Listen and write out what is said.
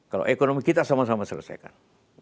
kalau ekonomi kita sama sama selesaikan